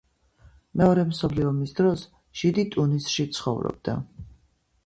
მეორე მსოფლიო ომის დროს ჟიდი ტუნისში ცხოვრობდა.